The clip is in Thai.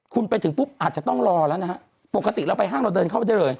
คุณไปถึงปุ๊บอาจจะต้องรอแล้วนะฮะปกติเราไปห้างเราเดินเข้าไปได้เลย